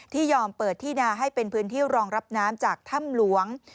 ยอมเปิดที่นาให้เป็นพื้นที่รองรับน้ำจากถ้ำหลวง